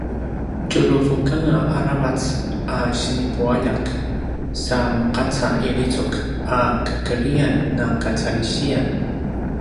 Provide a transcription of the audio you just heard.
tjuruvu anga aravac a sinipualjak sa meqaca i lizuk a kakedriyan na kacalisiyan